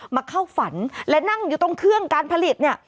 เข้าฝันและนั่งอยู่ตรงเครื่องการผลิตเนี่ย